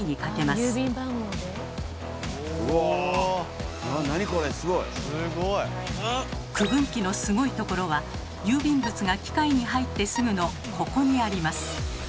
すごい！区分機のすごいところは郵便物が機械に入ってすぐのここにあります。